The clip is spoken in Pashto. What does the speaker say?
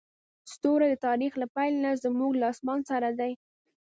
ستوري د تاریخ له پیل نه زموږ له اسمان سره دي.